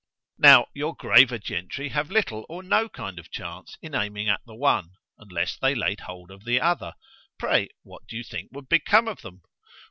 Now your graver gentry having little or no kind of chance in aiming at the one—unless they laid hold of the other,——pray what do you think would become of them?